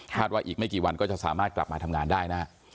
ว่าอีกไม่กี่วันก็จะสามารถกลับมาทำงานได้นะฮะ